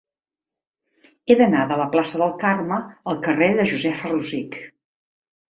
He d'anar de la plaça del Carme al carrer de Josefa Rosich.